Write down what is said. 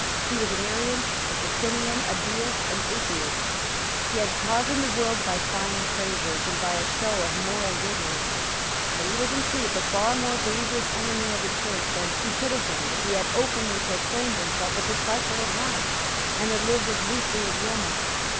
He was an Arian, a Socinian, a Deist, an Atheist. He had cozened the world by fine phrases, and by a show of moral goodness: but he was in truth a far more dangerous enemy of the Church than he could have been if he had openly proclaimed himself a disciple of Hobbes, and had lived as loosely as Wilmot.